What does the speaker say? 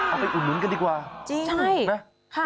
เอาไปอุดหนุนกันดีกว่าใช่ใช่ใช่ค่ะ